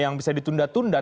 yang bisa ditunda tunda